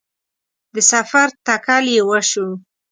د سفر تکل یې وسو